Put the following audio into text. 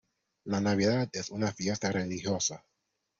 La Navidad es una fiesta religiosa.